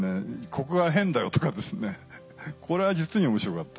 「ここが変だよ」とかですねこれは実に面白かった。